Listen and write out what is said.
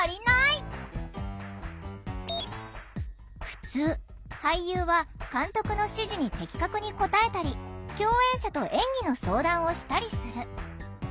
ふつう俳優は監督の指示に的確に応えたり共演者と演技の相談をしたりする。